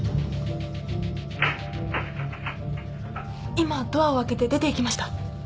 今ドアを開けて出ていきました。